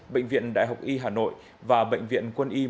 bệnh viện đại học y hà nội và bệnh viện quân y một trăm linh ba